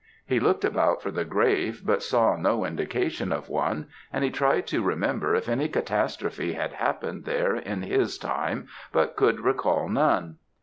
He looked about for the grave, but saw no indication of one; and he tried to remember if any catastrophe had happened there in his time, but could recall none.